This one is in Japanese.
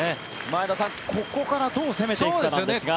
前田さん、ここからどう攻めていくかなんですが。